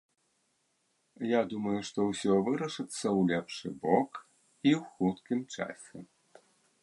Я думаю, што ўсё вырашыцца ў лепшы бок і ў хуткім часе.